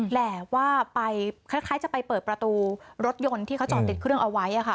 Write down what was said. แหละว่าไปคล้ายจะไปเปิดประตูรถยนต์ที่เขาจอดติดเครื่องเอาไว้